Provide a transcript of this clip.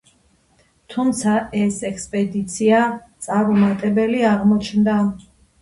თუმცა ეს ექსპედიცია წარუმატებელი აღმოჩნდა.